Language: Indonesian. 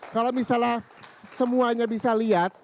kalau misalnya semuanya bisa lihat